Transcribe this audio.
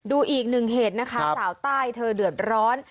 ดูอีกหนึ่งเหตุนะคะสาวใต้เธอเดือดร้อน